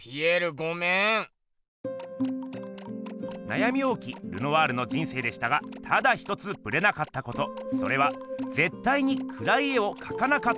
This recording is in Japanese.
なやみ多きルノワールの人生でしたがただ一つぶれなかったことそれはぜったいにくらい絵をかかなかったことです。